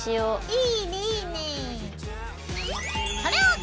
いいねいいね。